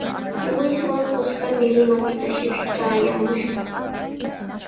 Luiswan Oscarmi Limapita shipshi traayaamushqa.